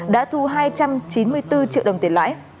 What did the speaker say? đã thu hai trăm chín mươi bốn triệu đồng tiền lãi